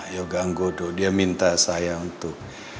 yoga anggodo dia minta saya untuk